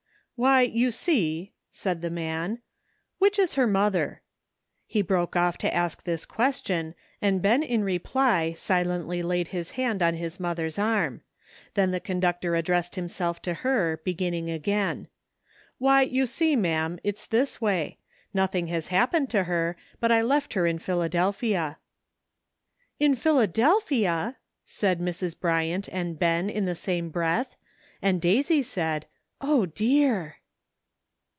TTTHY, you see," said the man — "which '" is her mother?" He broke off to ask this question, and Ben in reply silently laid his hand on his mother's arm ; then the conductor addressed himself to her, beginning again. " Why, you see, ma'am, it's this way. Noth ing has happened to her; but I left her in Philadelphia." " In Philadelphia !" said Mrs. Bryant and Ben in the same breath, and Daisy said, "O, dear!